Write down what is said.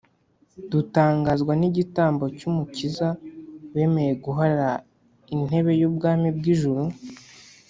.”. Dutangazwa n’igitambo cy’Umukiza wemeye guhara intebe y’Ubwami bw’Ijuru